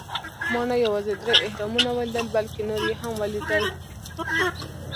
ما نه یوازې درې اهرامونه ولیدل، بلکې نور یې هم ولېدل.